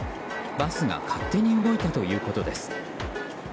バスが勝手に動いたということです。